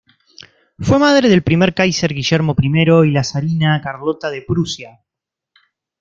Fue madre del primer káiser Guillermo I y la zarina Carlota de Prusia.